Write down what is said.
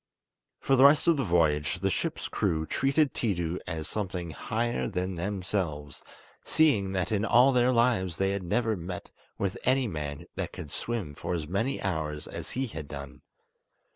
For the rest of the voyage the ship's crew treated Tiidu as something higher than themselves, seeing that in all their lives they had never met with any man that could swim for as many hours as he had done.